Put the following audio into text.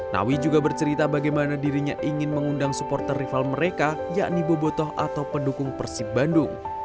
nawi juga bercerita bagaimana dirinya ingin mengundang supporter rival mereka yakni bobotoh atau pendukung persib bandung